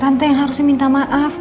tante yang harusnya minta maaf